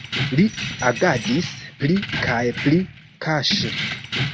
Li agadis pli kaj pli kaŝe.